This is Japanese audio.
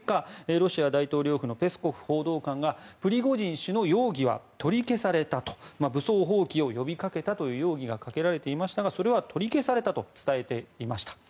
ロシア大統領府のペスコフ報道官がプリゴジン氏の容疑は取り消されたと武装蜂起を呼びかけたという容疑がかけられていましたがそれは取り消されたと伝えていました。